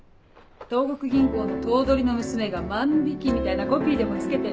「東国銀行の頭取の娘が万引」みたいなコピーでも付けて。